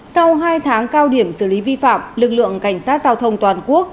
sau hai tháng cao điểm xử lý vi phạm lực lượng cảnh sát giao thông toàn quốc